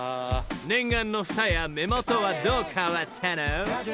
［念願の二重や目元はどう変わったの？］